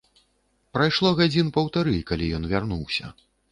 Прайшло гадзін паўтары, калі ён вярнуўся.